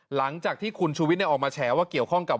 หลังจากที่คุณชูวิทย์ออกมาแฉว่าเกี่ยวข้องกับ